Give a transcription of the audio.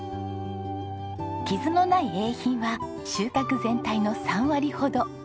傷のないＡ品は収穫全体の３割ほど。